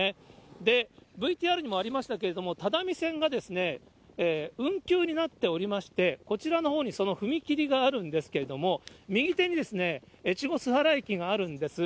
で、ＶＴＲにもありましたけれども、只見線が運休になっておりまして、こちらのほうにその踏切があるんですけれども、右手に越後須原駅があるんです。